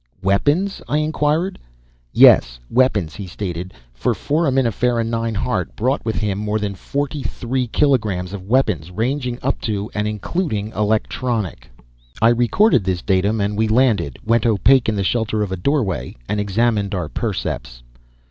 "Weapons?" I inquired. "Yes, weapons," he stated, "for Foraminifera 9 Hart brought with him more than forty three kilograms of weapons, ranging up to and including electronic." I recorded this datum and we landed, went opaque in the shelter of a doorway and examined our percepts.